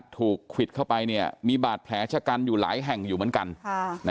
ควิดเข้าไปมีบาดแผลชะกันอยู่หลายแห่งอยู่เหมือนกัน